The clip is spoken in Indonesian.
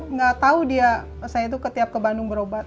nggak tahu dia saya itu ketiap ke bandung berobat